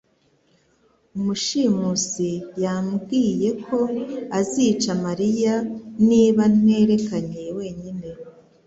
Umushimusi yambwiye ko azica mariya niba nterekanye wenyine